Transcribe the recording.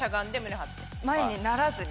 前にならずに？